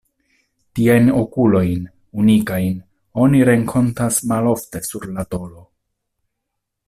Tiajn okulojn, unikajn, oni renkontas malofte sur la tolo.